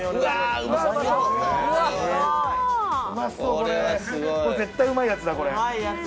これ絶対うまいやつだ。